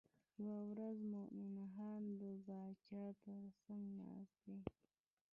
یوه ورځ مومن خان د باچا تر څنګ ناست دی.